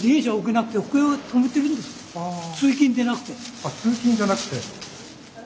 あっ通勤じゃなくて。